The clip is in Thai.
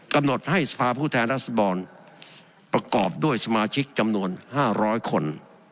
กำหนดให้สภาพผู้แทนรัศดรประกอบด้วยสมาชิกจำนวน๕๐๐คน